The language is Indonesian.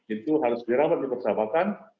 itu harus dirawat di persahabatan